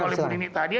silakan bu nini tadi